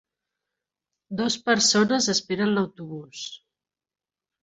Dos persones esperen l'autobús